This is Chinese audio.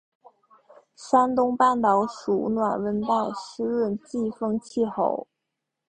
山东半岛属暖温带湿润季风气候。